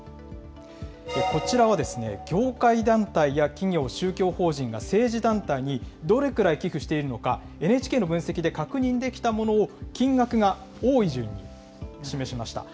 こちらは業界団体や企業、宗教法人が政治団体にどれくらい寄付しているのかＮＨＫの分析で確認できたものを金額が多い順に示しました。